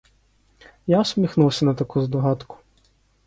Я всміхнувся на таку здогадку.